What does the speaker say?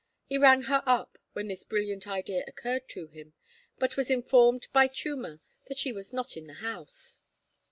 He rang her up, when this brilliant idea occurred to him, but was informed by Chuma that she was not in the house.